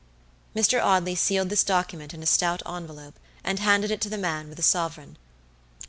Mr. Audley sealed this document in a stout envelope, and handed it to the man, with a sovereign.